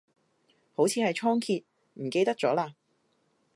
好似係倉頡，唔記得咗嘞